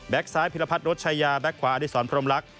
แบ็กซ้ายพิรพัฒน์รถชัยยาแบ็กขวาอดิษรพรหมลักษณ์